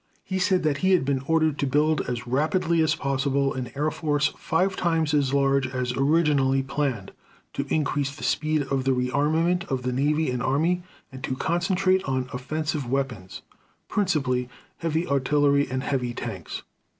He said that he had been ordered to build as rapidly as possible an air force five times as large as originally planned, to increase the speed of the rearmament of the navy and army, and to concentrate on offensive weapons, principally heavy artillery and heavy tanks.